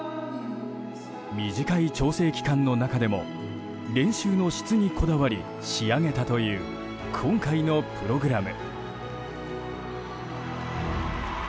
短い調整期間の中でも練習の質にこだわり仕上げたという今回のプログラム。